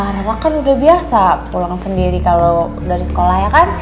rara kan udah biasa pulang sendiri dari sekolah ya kan